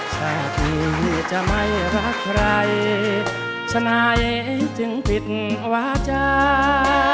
ถ้าที่จะไม่รักใครชนะเอ๊ยถึงผิดหวาจา